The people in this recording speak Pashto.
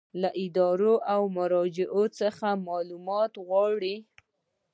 له ادارو او مراجعو څخه معلومات غواړي.